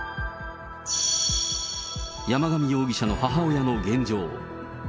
山上容疑者の母親の現状。